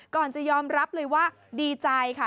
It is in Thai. ก่อนจะยอมรับเลยว่าดีใจค่ะ